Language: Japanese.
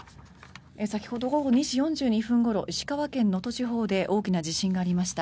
先ほど、午後２時４２分ごろ石川県能登地方で大きな地震がありました。